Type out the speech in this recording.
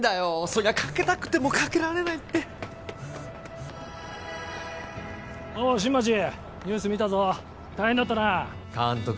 そりゃかけたくてもかけられないっておう新町ニュース見たぞ大変だったな監督